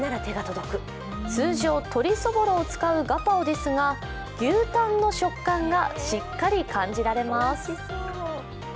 通常鶏そぼろを使うガパオですが、牛たんの食感がしっかり感じられます。